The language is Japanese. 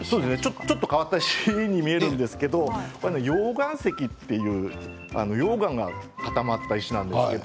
ちょっと変わった石に見えますが溶岩石という溶岩が固まった石です。